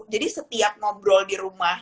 jadi setiap ngobrol di rumah